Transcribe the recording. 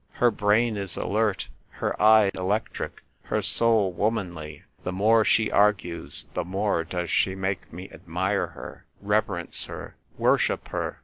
Her brain is alert ; her eye electric ; her soul womanly. The more she argues, the more does she make me admire her, reverence her, worship her.